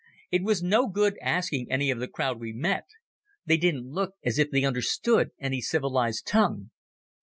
It was no good asking any of the crowd we met. They didn't look as if they understood any civilized tongue.